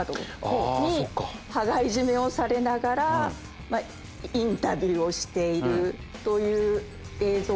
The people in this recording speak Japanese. あそっか。をされながらインタビューをしているという映像が多分。